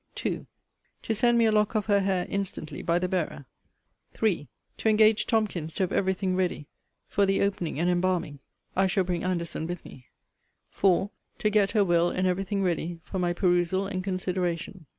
2. To send me a lock of her hair instantly by the bearer. 3. To engage Tomkins to have every thing ready for the opening and embalming. I shall bring Anderson with me. 4. To get her will and every thing ready for my perusal and consideration.